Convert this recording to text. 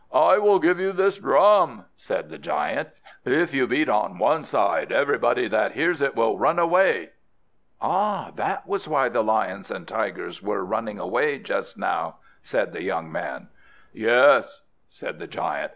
"I will give you this drum," said the giant. "If you beat on one side, everybody that hears it will run away." "Ah, that was why the lions and tigers were running away just now!" said the young man. "Yes," said the giant.